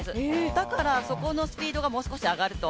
だから、そこのスピードがもう少し上がると。